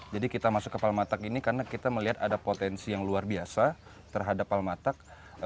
jadi kita masuk ke palmatak ini karena kita melihat ada potensi yang luar biasa terhadap palmatak